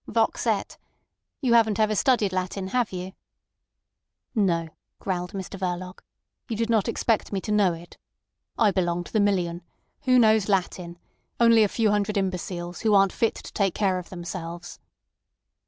"Vox et. .. You haven't ever studied Latin—have you?" "No," growled Mr Verloc. "You did not expect me to know it. I belong to the million. Who knows Latin? Only a few hundred imbeciles who aren't fit to take care of themselves."